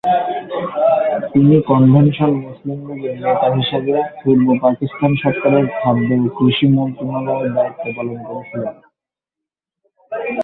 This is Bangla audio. তিনি কনভেনশন মুসলিম লীগের নেতা হিসেবে পূর্ব পাকিস্তান সরকারের খাদ্য ও কৃষি মন্ত্রণালয়ের দায়িত্ব পালন করেছিলেন।